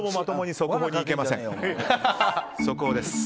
速報です。